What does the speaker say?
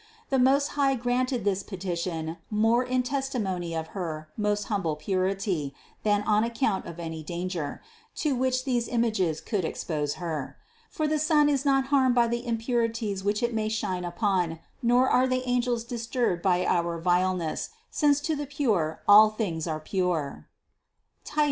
The Most High granted this petition more in testimony of her most hum ble purity than on account of any danger, to which these images could expose Her; for the sun is not harmed by the impurities which it may shine upon, nor are the an gels disturbed by our vileness, since to the pure all things are pure (Tit.